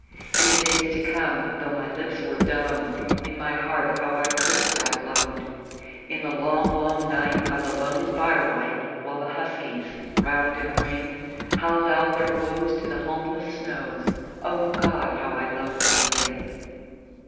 In the days to come, though my lips were dumb, in my heart how I cursed that load. In the long, long night, by the lone firelight, while the huskies, round in a ring, Howled out their woes to the homeless snows O God! how I loathed the thing.